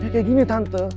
kayak gini tante